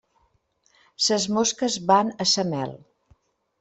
Ses mosques van a sa mel.